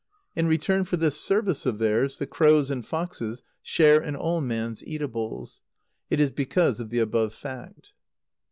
In return for this service of theirs, the crows and foxes share in all man's eatables. It is because of the above fact.